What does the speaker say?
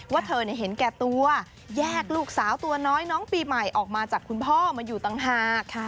ว่าเธอเห็นแก่ตัวแยกลูกสาวตัวน้อยน้องปีใหม่ออกมาจากคุณพ่อมาอยู่ต่างหาก